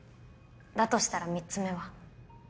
だとしたら３つ目は。